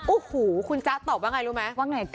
อู้หูคุณจ๊ะตอบว่าไงรู้มั้ย